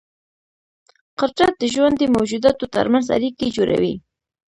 قدرت د ژوندي موجوداتو ترمنځ اړیکې جوړوي.